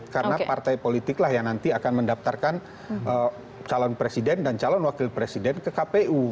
karena partai politik lah yang nanti akan mendaftarkan calon presiden dan calon wakil presiden ke kpu